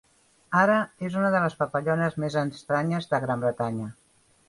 Ara és una de les papallones més estranyes de Gran Bretanya.